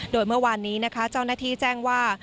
โดยเมื่อวานนี้นะคะเจ้าหน้าที่แจ้งว่า